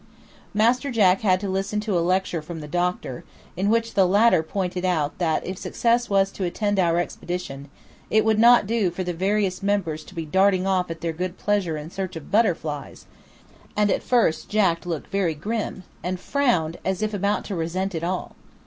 Master Jack had to listen to a lecture from the doctor, in which the latter pointed out that if success was to attend our expedition, it would not do for the various members to be darting off at their good pleasure in search of butterflies, and at first Jack looked very grim, and frowned as if about to resent it all.